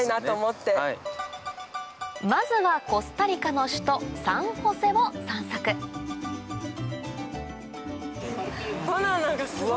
まずはコスタリカの首都サンホセを散策バナナがすごい。